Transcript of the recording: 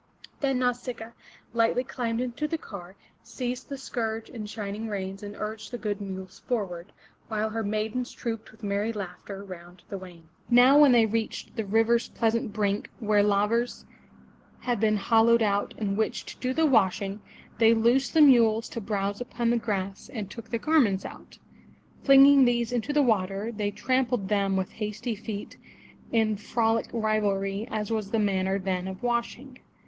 Then Nau sic'a a lightly climbed into the car, seized the scourge and shining reins and urged the good mules forward, while her maidens trooped with merry laughter round the wain. Now when they reached the river's pleasant brink where lavers had been hollowed out in which to do the washing, they loosed the mules to browse upon the grass, and took the garments out. Flinging these into the water, they trampled them with hasty feet in frolic rivalry as was the manner then of washing.